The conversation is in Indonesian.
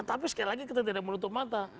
tapi sekali lagi kita tidak menutup mata